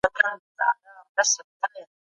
فکري غلامي بده ده.